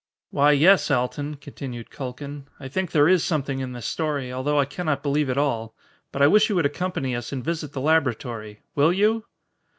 "Why, yes, Alton," continued Culkin, "I think there is something in this story, although I cannot believe it all. But I wish you would accompany us and visit the laboratory. Will you?"